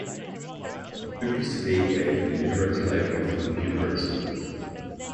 The book is today kept in the University Library of Lund University.